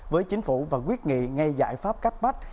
với chính phủ và quyết nghị ngay giải pháp cách bách